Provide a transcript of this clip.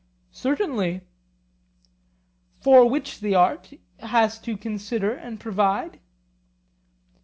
Certainly. For which the art has to consider and provide?